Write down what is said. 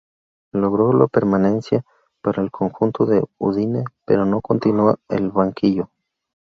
Logró la permanencia para el conjunto de Udine, pero no continuó en el banquillo.